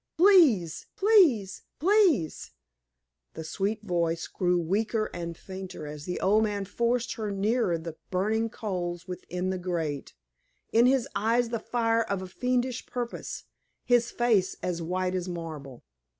Please please please!" The sweet voice grew weaker and fainter as the old man forced her nearer the burning coals within the grate; in his eyes the fire of a fiendish purpose, his face as white as marble.